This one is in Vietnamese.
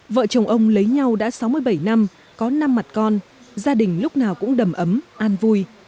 vợ chồng ông lấy nhau đã sáu mươi bảy năm có năm mặt con gia đình lúc nào cũng đầm ấm an vui